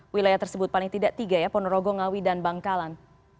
wilayah tersebut paling tidak tiga ya ponorogo ngawi dan bangkalan